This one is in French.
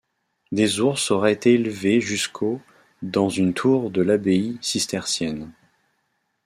Des ours auraient été élevés jusqu'au dans une tour de l'abbaye cistercienne.